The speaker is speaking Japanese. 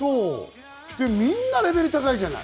みんなレベル高いじゃない。